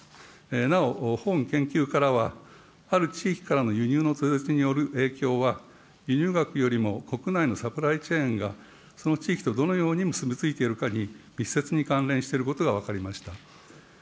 なお、本研究からは、ある地域からの輸入の途絶による影響は、輸入額よりも国内のサプライチェーンがその地域とどのように結び付いているかに密接に関連していることが分かりました。